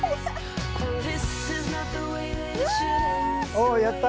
おおやった！